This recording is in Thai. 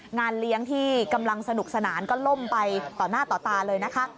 งานเลี้ยงที่กำลังสนุกสนานก็ล่มไปต่อหน้าต่อตาเลยนะคะ